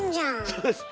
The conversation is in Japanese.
そうです。